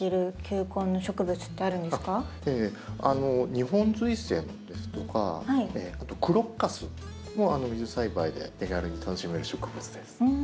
ニホンズイセンですとかあとクロッカスも水栽培で手軽に楽しめる植物です。